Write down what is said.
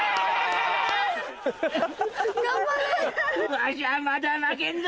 わしゃまだ負けんぞ！